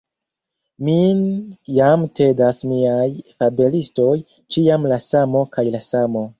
Min jam tedas miaj fabelistoj, ĉiam la samo kaj la samo.